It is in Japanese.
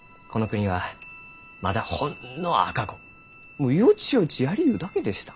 もうヨチヨチやりゆうだけでした。